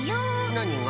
なにが？